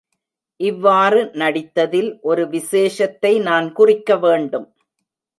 இவ்வாறு நடித்ததில் ஒரு விசேஷத்தை நான் குறிக்க வேண்டும்.